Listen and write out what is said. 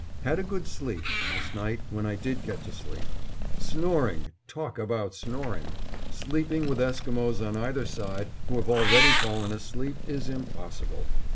Had a good sleep last night when I did get to sleep. Snoring, talk about snoring! Sleeping with Esquimos on either side, who have already fallen asleep, is impossible.